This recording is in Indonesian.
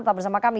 tetap bersama kami